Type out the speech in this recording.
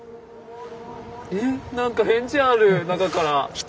えっなんか返事ある中から。